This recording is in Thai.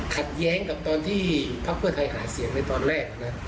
ขัดแย้งกับตอนที่พักเพื่อไทยหาเสียงในตอนแรกนะ